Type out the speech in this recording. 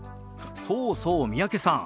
そうそう三宅さん